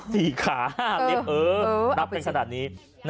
สี่ขาเออนับเป็นขนาดนี้